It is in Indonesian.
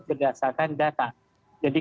berdasarkan data jadi